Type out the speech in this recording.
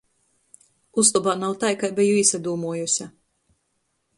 Ustobā nav tai, kai beju īsadūmuojuse...